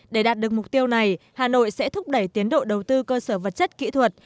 để đạt được mục tiêu này hà nội sẽ thúc đẩy tiến độ đầu tư cơ sở vật chất kỹ thuật